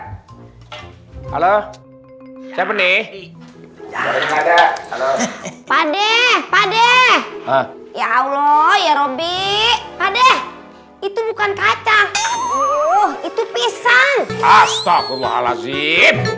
halo halo siapa nih pada pada ya allah ya robby padeh itu bukan kacang itu pisang astaghfirullahaladzim